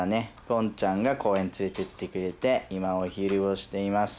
ゴンちゃんが公園連れていってくれて今お昼をしています。